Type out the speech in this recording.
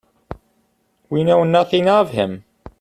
We know nothing of him.